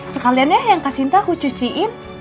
sekaliannya yang kak sinta aku cuciin